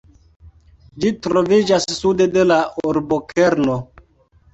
Ĝi troviĝas sude de la urbokerno.